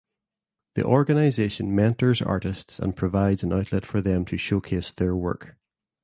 The organization mentors artists and provides an outlet for them to showcase their work.